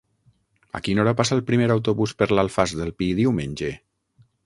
A quina hora passa el primer autobús per l'Alfàs del Pi diumenge?